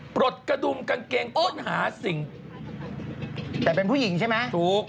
ปลดกระดุมกางเกงค้นหาสิ่งแต่เป็นผู้หญิงใช่ไหมถูก